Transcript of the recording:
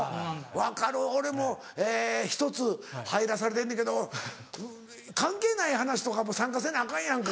分かる俺も１つ入らされてんねんけど関係ない話とかも参加せなアカンやんか。